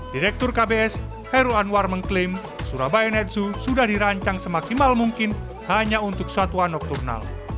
direktur kbs heru anwar mengklaim surabaya net zoo sudah dirancang semaksimal mungkin hanya untuk satwa nokturnal